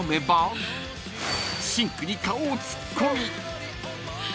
［シンクに顔を突っ込み］